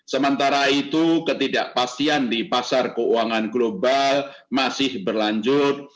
sementara itu ketidakpastian di pasar keuangan global masih berlanjut